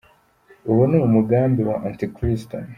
Uwo ni umugambi wa Anti Kristo.